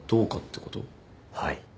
はい。